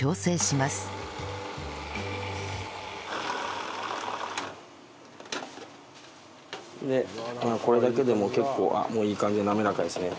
まあこれだけでも結構もういい感じで滑らかですね。